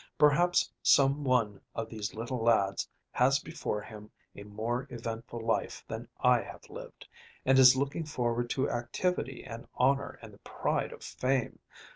Perhaps some one of these little lads has before him a more eventful life than I have lived, and is looking forward to activity and honor and the pride of fame.